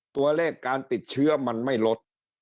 ตัวเลขการติดเชื้อมันไม่ลด